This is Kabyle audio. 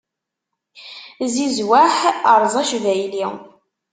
Zizweḥ, eṛẓ acbayli!